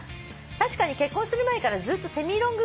確かに結婚する前からずっとセミロングぐらいのボブです。